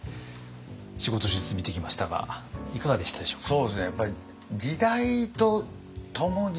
仕事術見てきましたがいかがでしたでしょうか？